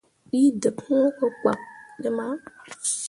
Ɗii deɓ hũũ ko kpak ɗi mah.